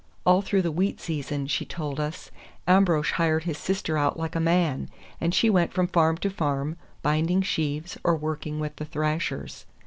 All through the wheat season, she told us, Ambrosch hired his sister out like a man, and she went from farm to farm, binding sheaves or working with the thrashers.